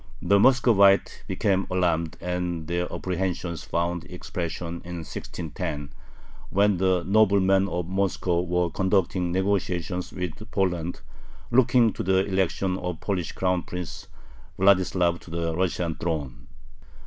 The Muscovites became alarmed, and their apprehensions found expression in 1610, when the noblemen of Moscow were conducting negotiations with Poland looking to the election of the Polish Crown Prince Vladislav to the Russian throne.